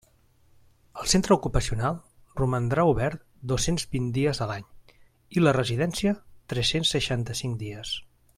El Centre Ocupacional romandrà obert dos-cents vint dies a l'any i la Residència tres-cents seixanta-cinc dies.